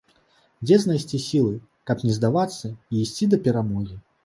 Дзе знайсці сілы, каб не здавацца і ісці да перамогі?